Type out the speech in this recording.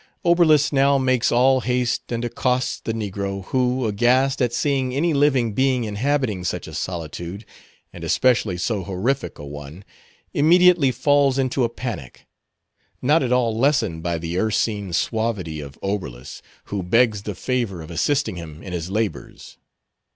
Oberlus now makes all haste and accosts the negro, who, aghast at seeing any living being inhabiting such a solitude, and especially so horrific a one, immediately falls into a panic, not at all lessened by the ursine suavity of Oberlus, who begs the favor of assisting him in his labors.